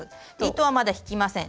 糸はまだ引きません。